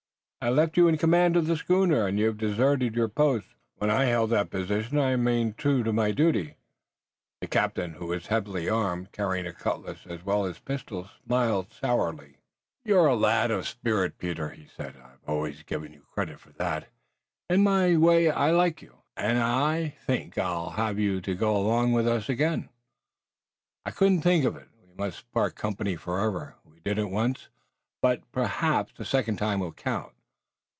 I left you in command of the schooner, and you have deserted your post. When I held that position I remained true to my duty." The captain, who was heavily armed, carrying a cutlass as well as pistols, smiled sourly. "You're a lad of spirit, Peter," he said. "I've always given you credit for that. In my way I like you, and I think I'll have you to go along with us again." "I couldn't think of it. We must part company forever. We did it once, but perhaps the second time will count."